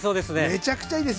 めちゃくちゃいいですよ。